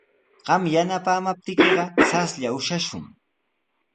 Qam yanapaamaptiykiqa raslla ushashun.